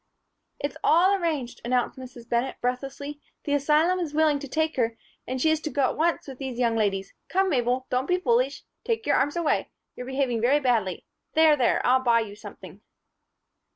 "It's all arranged," announced Mrs. Bennett, breathlessly. "The asylum is willing to take her and she is to go at once with these young ladies. Come, Mabel, don't be foolish. Take your arms away. You're behaving very badly There, there, I'll buy you something."